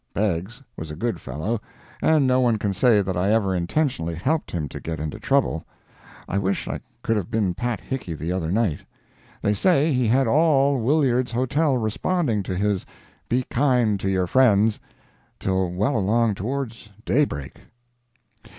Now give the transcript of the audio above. Beggs was a good fellow; and no one can say that I ever intentionally helped him to get into trouble. I wish I could have seen Pat Hickey the other night. They say he had all Williards' Hotel responding to his, "Be kind to your friends" till well along toward day break.